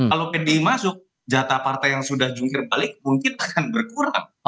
kalau pde masuk jata partai yang sudah jungkir balik pun kita akan berkurang